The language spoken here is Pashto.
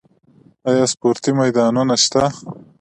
آیا سپورتي میدانونه شته؟